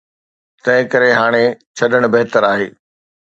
تنهن ڪري هاڻي ڇڏڻ بهتر آهي.